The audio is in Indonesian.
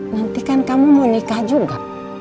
nanti kan kamu mau nikah juga